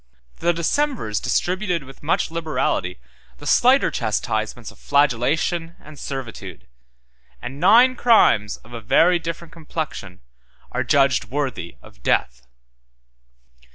The decemvirs distributed with much liberality the slighter chastisements of flagellation and servitude; and nine crimes of a very different complexion are adjudged worthy of death.